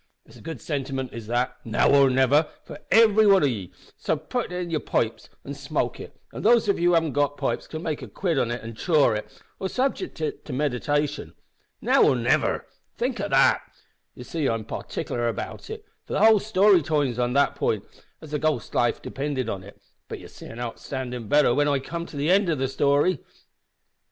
It's a good sentiment is that `Now or niver' for every wan of ye so ye may putt it in yer pipes an' smoke it, an' those of ye who haven't got pipes can make a quid of it an' chaw it, or subject it to meditation. `Now or niver!' Think o' that! You see I'm partikler about it, for the whole story turns on that pint, as the ghost's life depended on it, but ye'll see an' onderstan' better whin I come to the end o' the story."